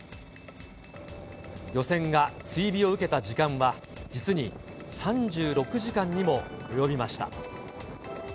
漁船が追尾を受けた時間は、実に３６時間にも及びました。